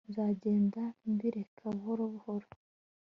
nzagenda mbireka buhoro buhoro